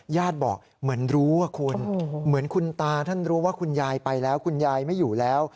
บอกเหมือนรู้ว่าคุณเหมือนคุณตาท่านรู้ว่าคุณยายไปแล้วคุณยายไม่อยู่แล้ว